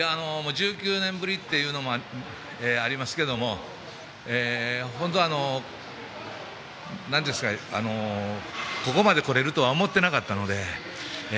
１９年ぶりというのもありますけども本当、ここまで来れるとは思っていなかったので。